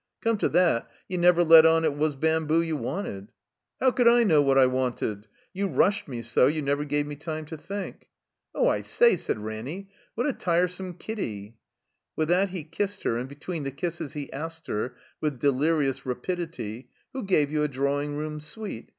"Come to that, you never let on it was bamboo you wanted." ''How could I know what I wanted? You rushed me so, you never gave me time to think." Oh,I say," said Ranny, ''what a tiresome kiddy!" With that he kissed her, and between the kisses he asked her, with delirious rapidity: "Who gave you a drawing room stiite?